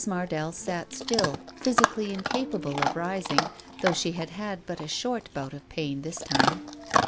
Mardell sat still, physically incapable of rising , though she had had but a short bout of pain this time.